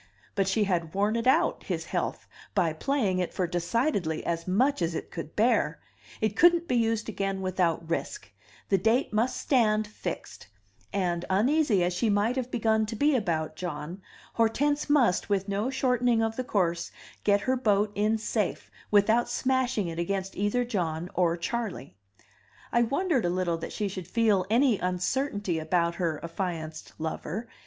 But she had worn it out, his health, by playing it for decidedly as much as it could bear; it couldn't be used again without risk; the date must stand fixed; and, uneasy as she might have begun to be about John, Hortense must, with no shortening of the course, get her boat in safe without smashing it against either John or Charley. I wondered a little that she should feel any uncertainty about her affianced lover.